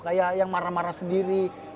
kayak yang marah marah sendiri